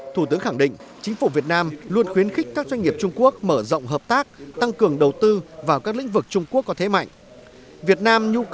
thủ tướng khẳng định chính phủ việt nam luôn khuyến khích các doanh nghiệp trung quốc mở rộng hợp tác tăng cường đầu tư vào các lĩnh vực trung quốc có thế mạnh